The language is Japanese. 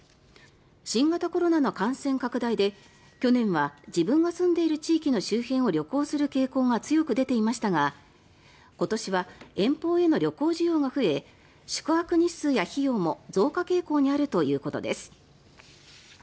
新型コロナの感染拡大で去年は自分が住んでいる地域の周辺を旅行する傾向が強く出ていましたが今年は遠方への旅行需要が増え宿泊日数や費用も増加傾向にあるということです。